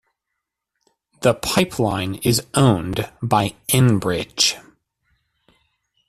The pipeline is owned by Enbridge.